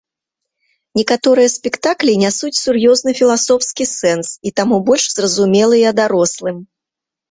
Некаторыя спектаклі нясуць сур'ёзны філасофскі сэнс, і таму больш зразумелыя дарослым.